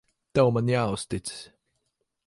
Tev man jāuzticas.